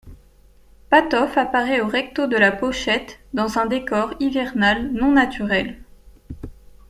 Patof apparaît au recto de la pochette dans un décor hivernal non-naturel.